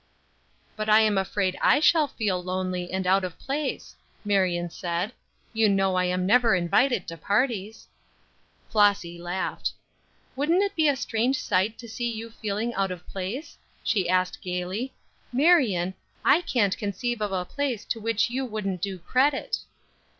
"But I am afraid I shall feel lonely, and out of place," Marion said; "you know I am never invited to parties." Flossy laughed. "Wouldn't it be a strange sight to see you feeling out of place?" she asked, gaily. "Marion, I can't conceive of a place to which you wouldn't do credit."